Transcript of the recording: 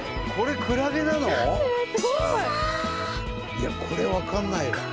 いやこれ分かんないわ。